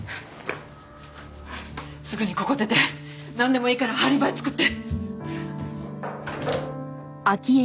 すぐにここ出てなんでもいいからアリバイ作って。